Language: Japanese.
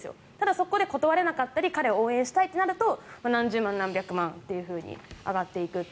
そこで断れなかったり彼を応援したいとなると何十万、何百万と増えると。